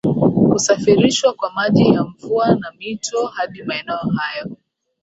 Husafirishwa kwa maji ya mvua na mito hadi maeneo hayo